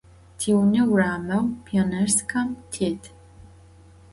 Tiune vurameu Pionêrskem têt.